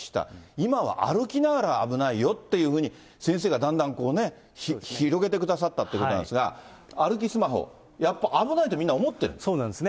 今は歩きながら危ないよっていうふうに、先生がだんだんこうね、広げてくださったということなんですが、歩きスマホ、そうなんですね。